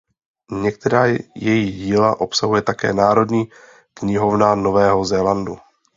Některá její díla obsahuje také Národní knihovna Nového Zélandu.